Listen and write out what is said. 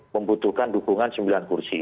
membutuhkan dukungan sembilan kursi